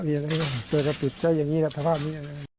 มีอะไรก็เปิดประตุภาพนี้